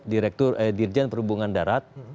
dirjen perhubungan darat